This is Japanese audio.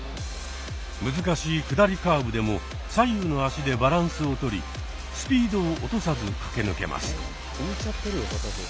難しい下りカーブでも左右の足でバランスをとりスピードを落とさず駆け抜けます。